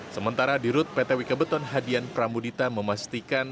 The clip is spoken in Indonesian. sementara di rut pt wika beton hadian pramudita memastikan